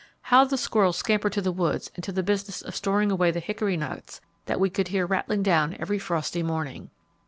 How the squirrels scampered to the woods and to the business of storing away the hickory nuts that we could hear rattling down every frosty morning!